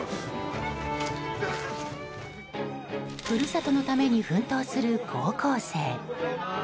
故郷のために奮闘する高校生。